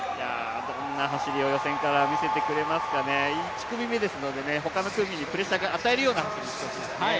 どんな走りを予選から見せてくれますかね、１組目ですからね他の組にプレッシャーを与えるような走りをしてもらいたいですね。